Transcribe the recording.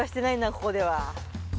ここでは。